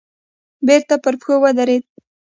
بېرته پر پښو ودرېد.